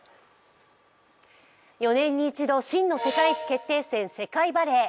４年に一度、真の世界一決定戦、世界バレー。